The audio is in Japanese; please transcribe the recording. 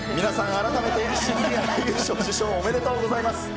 改めて、新人俳優賞受賞、おめでとうございます。